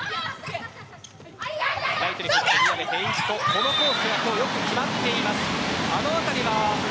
このコースが今日はよく決まっています。